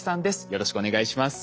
よろしくお願いします。